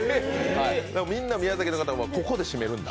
みんな宮崎の方はここでシメるんだ。